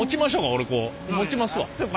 俺こう持ちますわ。